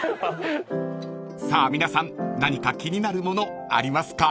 ［さあ皆さん何か気になるものありますか？］